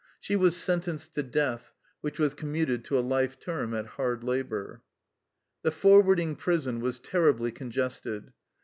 She was sentenced to death, which was commuted to a life term at hard labor. The forwarding prison was terribly congested.